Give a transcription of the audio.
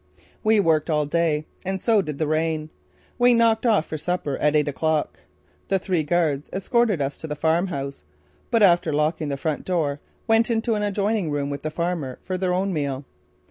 We worked all day. And so did the rain. We knocked off for supper at eight o'clock. The three guards escorted us to the farmhouse, but after locking the front door, went into an adjoining room with the farmer for their own meal.